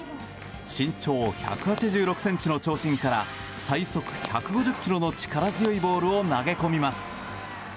身長１８６ｃｍの長身から最速１５０キロの力強いボールを投げ込みます。